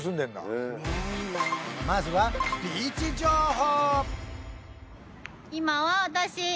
まずはビーチ情報！